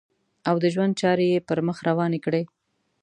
او د ژوند چارې یې پر مخ روانې کړې.